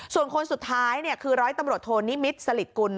ส่วนคนสุดท้ายคือร้อยตำรวจโทนิมิตรสลิดกุล